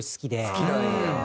好きなんや。